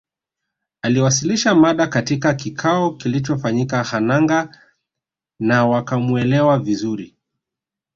Aliwasilisha mada katika kikao kilichofanyika Hanangâ na wakamwelewa vizuri